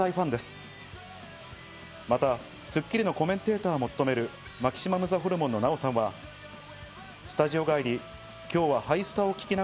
また『スッキリ』のコメンテーターも務める、マキシマムザホルモンのナヲさんはこちら。